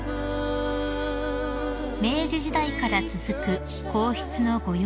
［明治時代から続く皇室のご養蚕］